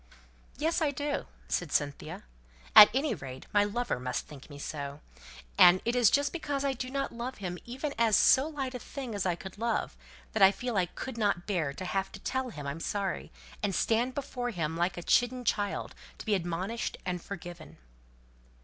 "Yes, I do," said Cynthia. "At any rate, my lover must think me so. And it is just because I do not love him even as so light a thing as I could love, that I feel that I couldn't bear to have to tell him I'm sorry, and stand before him like a chidden child to be admonished and forgiven."